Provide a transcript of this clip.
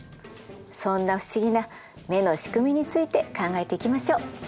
そんな不思議な目の仕組みについて考えていきましょう。